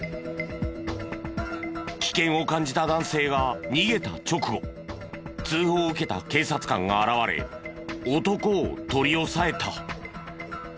危険を感じた男性が逃げた直後通報を受けた警察官が現れ男を取り押さえた。